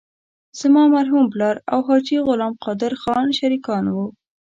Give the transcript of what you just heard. زما مرحوم پلار او حاجي غلام قادر خان شریکان وو.